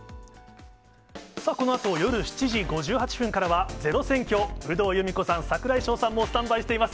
さあ、このあと夜７時５８分からはｚｅｒｏ選挙、有働由美子さん、櫻井翔さんもスタンバイしています。